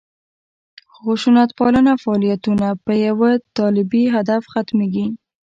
خشونتپاله فعالیتونه په یوه طالبي هدف ختمېږي.